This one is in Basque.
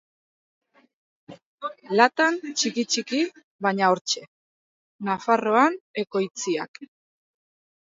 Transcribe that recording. Latan, txiki-txiki, baina hortxe: Nafarroan ekoitziak.